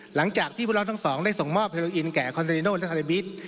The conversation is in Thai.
หลังจากที่ผู้ร้องทั้งสองได้ส่งมอบเฮโลอินแก่คอนเรโนและฮาเรบิต